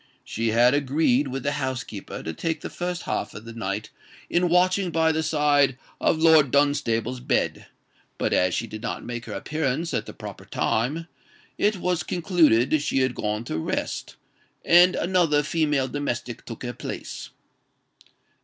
She had agreed with the housekeeper to take the first half of the night in watching by the side of Lord Dunstable's bed; but as she did not make her appearance at the proper time, it was concluded she had gone to rest, and another female domestic took her place.